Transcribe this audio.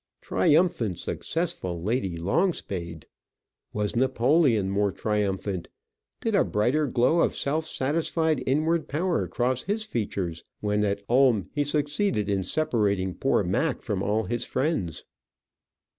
Triumphant, successful Lady Longspade! Was Napoleon more triumphant, did a brighter glow of self satisfied inward power cross his features, when at Ulm he succeeded in separating poor Mack from all his friends?